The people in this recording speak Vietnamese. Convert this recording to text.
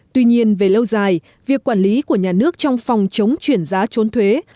tuy nhiên về lâu dài việc quản lý của nhà nước trong phòng chống chuyển giá trốn thuế